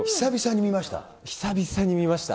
久々に見ました？